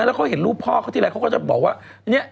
แล้วเขาเห็นรูปพ่อเขาทีไรเขาก็จะบอกว่า